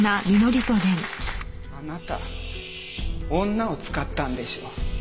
あなた女を使ったんでしょう？